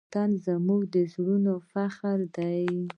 وطن زموږ د زړونو فخر دی.